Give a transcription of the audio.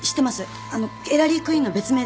あのエラリー・クイーンの別名ですよね？